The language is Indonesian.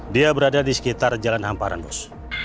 dia berada di sekitar jalan hamparan bus